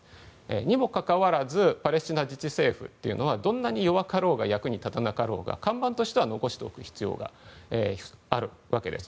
にもかかわらずパレスチナ自治政府はどんなに弱かろうが役に立たなかろうが看板としては残しておく必要があるわけです。